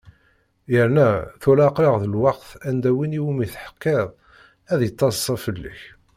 Yerna tura aql-aɣ deg lweqt anda win i wumi teḥkiḍ ad yettaḍsa fell-k.